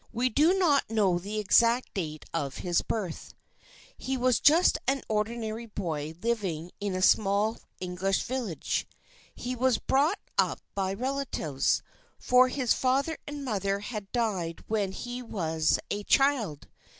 We do not know the exact date of his birth. He was just an ordinary boy living in a small English village. He was brought up by relatives, for his father and mother had died when he was a child.